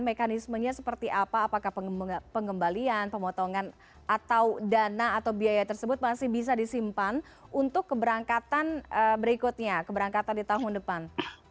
mekanismenya seperti apa apakah pengembalian pemotongan atau dana atau biaya tersebut masih bisa disimpan untuk keberangkatan berikutnya keberangkatan di tahun depan